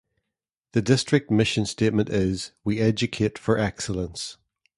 The district mission statement is We Educate for Excellence.